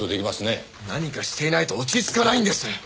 何かしていないと落ち着かないんです！